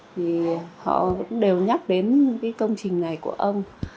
thì họ đều nhắc đến cái công trình này của ông